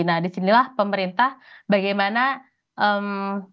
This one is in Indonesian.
nah disinilah pemerintah bagaimana cara untuk mengawasi dan mengatur distribusi beras